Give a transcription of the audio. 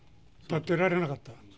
立ってられなかった。